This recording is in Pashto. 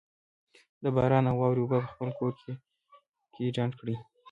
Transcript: د باران او واورې اوبه په خپل کور، کلي کي ډنډ کړئ